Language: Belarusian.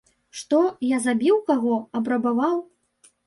Што, я забіў каго, абрабаваў?